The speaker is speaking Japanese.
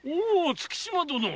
月島殿。